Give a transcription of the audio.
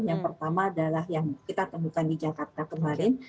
yang pertama adalah yang kita temukan di jakarta kemarin